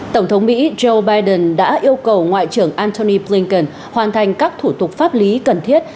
tổng thống mỹ joe biden đã yêu cầu ngoại trưởng antony blinken hoàn thành các thủ tục pháp lý cần thiết